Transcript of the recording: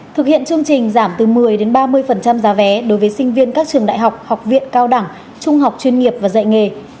thực hiện chương trình giảm từ một mươi ba mươi giá vé đối với sinh viên các trường đại học học viện cao đẳng trung học chuyên nghiệp và dạy nghề